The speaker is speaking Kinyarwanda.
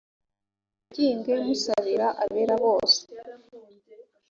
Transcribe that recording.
mwinginge musabira abera bose